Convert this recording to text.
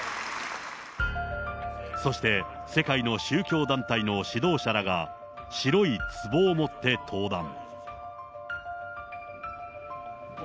そして、世界の宗教団体の指導者らが白いつぼを持って登壇。